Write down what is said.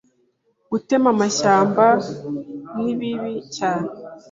gutema amashyamba nibibi cyane